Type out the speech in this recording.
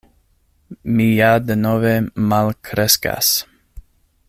“Mi ja denove malkreskas.”